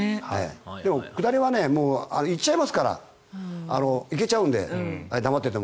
でも、下りは行っちゃいますから行けちゃうんで、黙ってても。